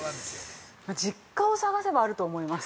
◆実家を探せばあると思います。